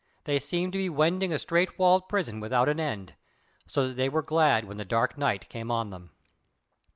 They seemed to be wending a straight walled prison without an end, so that they were glad when the dark night came on them.